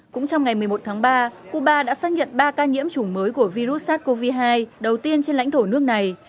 cũng trong ngày một mươi một tháng ba cuba đã xác nhận ba ca nhiễm chủng mới của virus sars cov hai đầu tiên trên lãnh thổ nước này